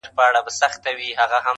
دوی مو د کلي د ډیوې اثر په کاڼو ولي،